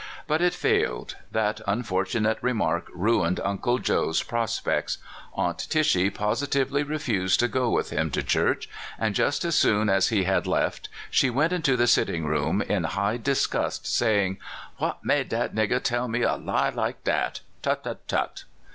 But it failed. That unfortunate remark ruined Uncle Joe's pros pects: Aunt Tishy positively refused to go with him to church, and just as soon as he had left she went into the sitting room in high disgust, saying: "What made clat nigger tell me a lie like dat? Tut, tut, tut!"